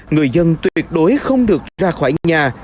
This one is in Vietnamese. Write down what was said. người dân tuyệt đối không được ra khỏi nhà